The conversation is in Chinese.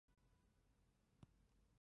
何首乌藤和木莲藤缠络着